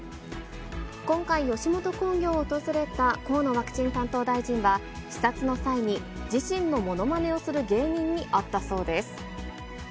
今回、吉本興業を訪れた河野ワクチン担当大臣は、視察の際に、自身のものまねをする芸人に会ったそうです。